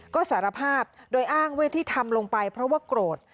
ก็สารภาพโดยอ้างว่าที่ทำลงไปเพราะว่าโกรธ